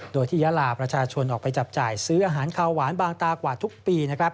โดยที่ยาลาประชาชนออกไปจับจ่ายซื้ออาหารขาวหวานบางตากว่าทุกปี